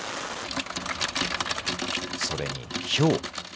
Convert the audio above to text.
それにひょう。